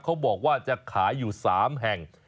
เขาบอกว่าจะขายอยู่๓แห่ง